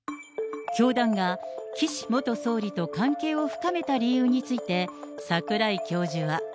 教団が岸元総理と関係を深めた理由について、櫻井教授は。